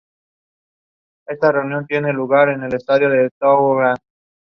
The Cookstown extension included two massive engineering features.